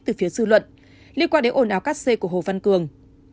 từ phía dư luận liên quan đến ồn áo cát xê của hồ văn cường